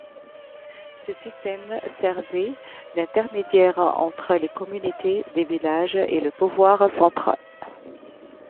Ce système servait d’intermédiaire entre les communautés des villages et le pouvoir central.